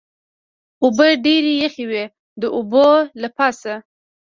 اوبه ډېرې یخې وې، د اوبو له پاسه.